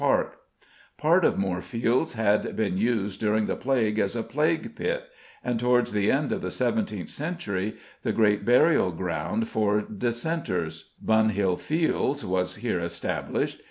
Part of Moorfields had been used during the plague as a plague pit, and towards the end of the 17th century the great burial ground for dissenters, Bunhill Fields, was here established.